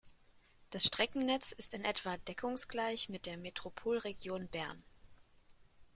Das Streckennetz ist in etwa deckungsgleich mit der Metropolregion Bern.